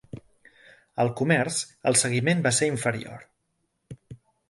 Al comerç, el seguiment va ser inferior.